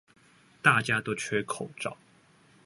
大家都缺口罩